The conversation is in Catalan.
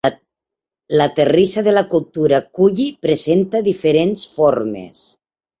La terrissa de la cultura kulli presenta diferents formes.